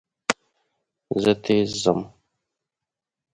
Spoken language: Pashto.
زه تېز ځم.